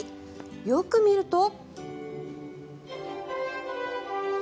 よく見ると。